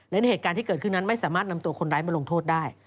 เหตุการณ์ที่เกิดขึ้นนั้นไม่สามารถนำตัวคนร้ายมาลงโทษได้